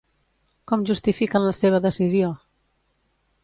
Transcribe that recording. Com justifiquen la seva decisió?